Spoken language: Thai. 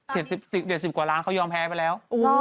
เกี่ยวกว่าล้านเขายอมแพ้ไปแล้ว